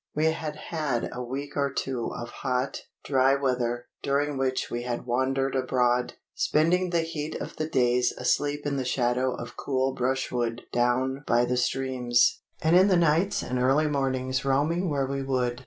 We had had a week or two of hot, dry weather, during which we had wandered abroad, spending the heat of the days asleep in the shadow of cool brushwood down by the streams, and in the nights and early mornings roaming where we would.